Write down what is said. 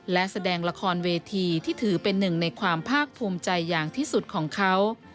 และแสดงละครเวทีที่ถือเป็นหนึ่งในความภาคภูมิใจอย่างที่สุดของเขา